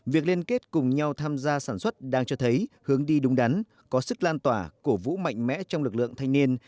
việc liên kết cùng nhau tham gia sản xuất đang cho thấy hướng đi đúng đắn có sức lan tỏa cổ vũ mạnh mẽ trong lực lượng thanh niên